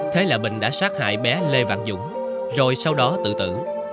thế là bình đã sát hại bé lê văn dũng rồi sau đó tự tử